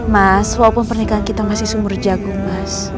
mas walaupun pernikahan kita masih sumur jagung mas